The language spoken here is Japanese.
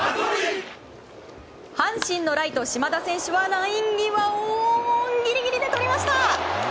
阪神のライト、島田選手はライン際をギリギリでとりました。